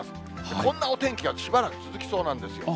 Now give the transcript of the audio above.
こんなお天気がしばらく続きそうなんですよ。